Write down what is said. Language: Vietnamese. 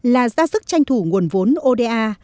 là ra sức tranh thủ nguồn vốn oda